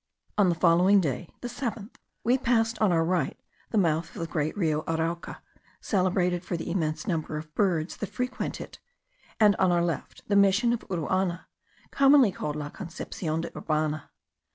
On the following day, the 7th, we passed, on our right, the mouth of the great Rio Arauca, celebrated for the immense number of birds that frequent it; and, on our left, the Mission of Uruana, commonly called La Concepcion de Urbana.